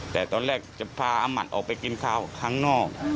แต่ตอนแรกจะพาอาหมัดออกไปกินข้าวข้างนอก